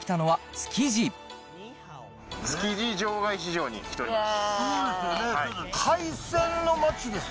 築地場外市場に来ております。